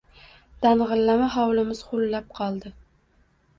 Dangʻillama hovlimiz huvillab qoldi.